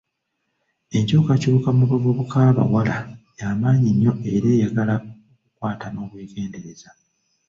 Enkyukakyuka mu bavubuka abawala yamaanyi nnyo era eyagala okukwata n'obwegendereza.